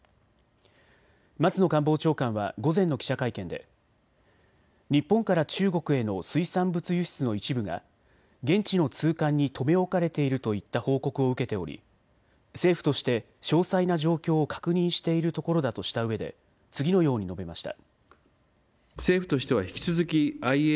松野官房長官は午前の記者会見で日本から中国への水産物輸出の一部が現地の通関に留め置かれているといった報告を受けており政府として詳細な状況を確認しているところだとしたうえで次のように述べました。